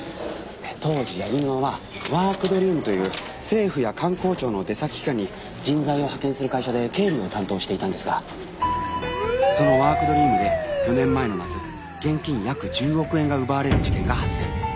当時柳沼はワークドリームという政府や官公庁の出先機関に人材を派遣する会社で経理を担当していたんですがそのワークドリームで４年前の夏現金約１０億円が奪われる事件が発生。